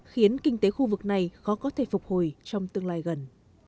khiến kinh tế khu vực này khó có thể phục hồi trong tương lai gần